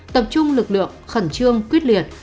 tập trung lực lượng khẩn trương quyết liệt